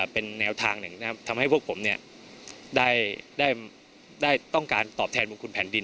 เป็นแนวทางหนึ่งทำให้พวกผมได้ต้องการตอบแทนบุญคุณแผ่นดิน